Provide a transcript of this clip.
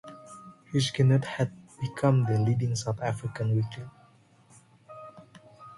Huisgenoot had become the leading South African weekly.